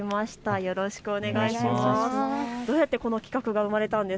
よろしくお願いします。